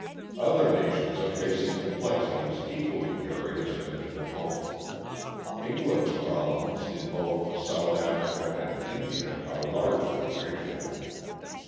Other nations are facing complexities equally various and difficult. England's problems in both South Africa and India are largely racial.